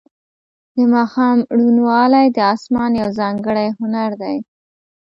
د ماښام روڼوالی د اسمان یو ځانګړی هنر دی.